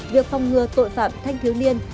việc phong ngừa tội phạm thanh thiếu niên